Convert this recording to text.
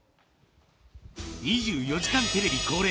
２４時間テレビ恒例